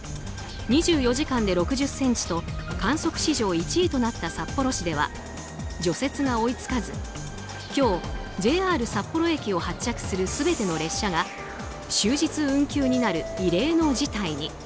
２４時間で６０ｃｍと観測史上１位となった札幌市では除雪が追い付かず、今日ＪＲ札幌駅を発着する全ての列車が終日運休になる異例の事態に。